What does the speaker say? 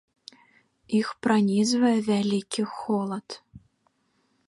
Іх пранізвае вялікі холад.